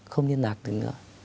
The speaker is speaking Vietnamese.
không liên lạc được nữa